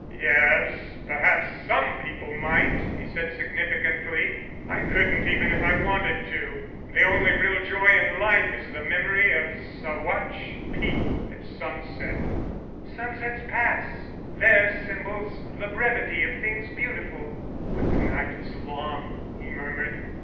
"Yes, perhaps some people might," he said significantly. "I couldn't, even if I wanted to. The only real joy in life is the memory of Saguache Peak at sunset." "Sunsets pass—they're symbols of the brevity of things beautiful——" "But the night is long," he murmured.